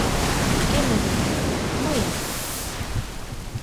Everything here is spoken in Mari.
Кӧн адак, мыйын.